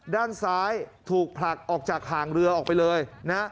ด้านซ้ายถูกผลักออกจากห่างเรือออกไปเลยนะฮะ